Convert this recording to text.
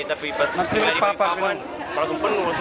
tapi pas di paman